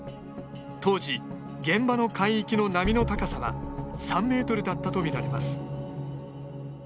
当時、現場の海域の波の高さは３メートルだったとみられます。